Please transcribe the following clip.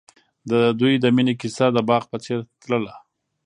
د دوی د مینې کیسه د باغ په څېر تلله.